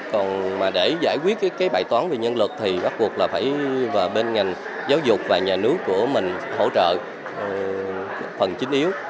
còn mà để giải quyết cái bài toán về nhân lực thì bắt buộc là phải vào bên ngành giáo dục và nhà nước của mình hỗ trợ phần chính yếu